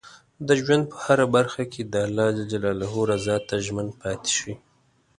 د ژوند په هره برخه کې د الله رضا ته ژمن پاتې شئ.